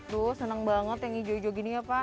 tuh seneng banget yang ijo ijo gini ya pak